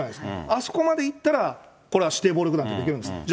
あそこまでいったら、これは指定暴力団って認定できるんです。